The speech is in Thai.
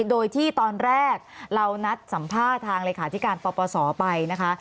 โดยที่ตอนแรกเรานัดสัมภาษณ์ทางเลขาธิการปปศไปนะคะ